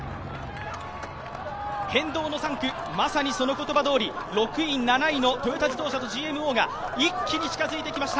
変動の３区、まさにその言葉どおり、６位、７位、トヨタ自動車とＧＭＯが一気に近づいてきました。